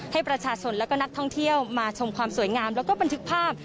ให้ประชาชนและก็นักท่องเที่ยวมาชมความสวยงามแล้วก็บันทึกภาพ